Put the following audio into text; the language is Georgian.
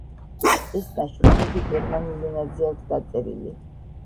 ეს ნაშრომები გერმანულ ენაზე აქვს დაწერილი.